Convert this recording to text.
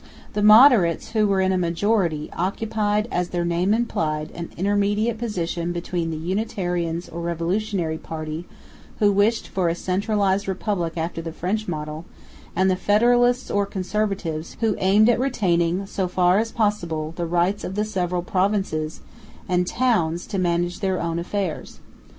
The moderates, who were in a majority, occupied, as their name implied, an intermediate position between the unitarians or revolutionary party, who wished for a centralised republic after the French model, and the federalists or conservatives, who aimed at retaining so far as possible the rights of the several provinces and towns to manage their own affairs.